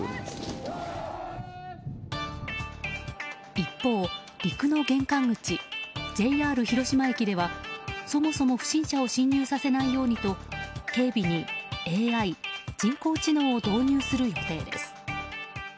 一方、陸の玄関口ＪＲ広島駅ではそもそも不審者を侵入させないようにと警備にＡＩ・人工知能を導入する予定です。